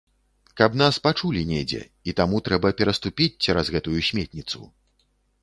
Каб нас пачулі недзе, і таму трэба пераступіць цераз гэтую сметніцу.